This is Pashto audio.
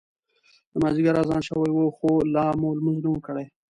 د مازیګر اذان شوی و خو لا مو لمونځ نه و کړی.